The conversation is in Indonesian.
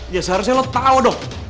ya seharusnya lo tahu dong